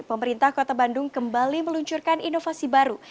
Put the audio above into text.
pemerintah kota bandung kembali meluncurkan inovasi baru